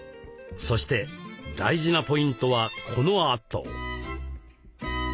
そして大事なポイントはこのあと。